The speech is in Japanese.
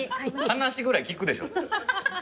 話ぐらい聞くでしょ。